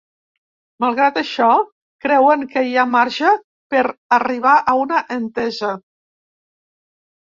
Malgrat això creuen que hi ha ‘marge’ per arribar a una entesa.